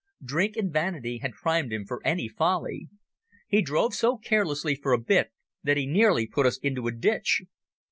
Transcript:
Drink and vanity had primed him for any folly. He drove so carelessly for a bit that he nearly put us into a ditch.